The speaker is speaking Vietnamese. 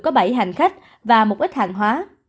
có bảy hành khách và một ít hàng hóa